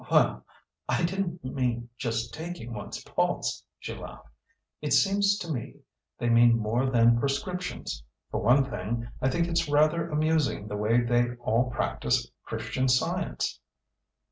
"Well, I didn't mean just taking one's pulse," she laughed. "It seems to me they mean more than prescriptions. For one thing, I think it's rather amusing the way they all practice Christian Science."